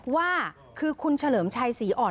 ว่าคือคุณเฉลิมชัยศรีอ่อน